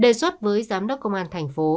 đề xuất với giám đốc công an thành phố